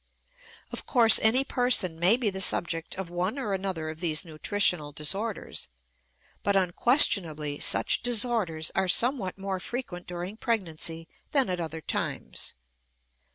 Of course, any person may be the subject of one or another of these nutritional disorders, but unquestionably such disorders are somewhat more frequent during pregnancy than at other times.